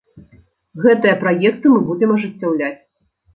Гэтыя праекты мы будзем ажыццяўляць.